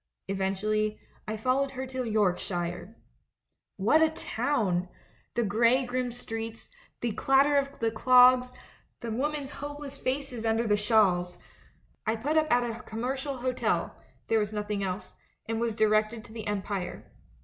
Eventually, I followed her to Yorkshire. "What a town! The grey grim streets, the clatter of the clogs, the women's hopeless faces under the shawls! I put up at a commercial hotel — there was nothing else — and was directed to the Empire.